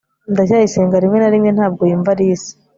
ndacyayisenga rimwe na rimwe ntabwo yumva alice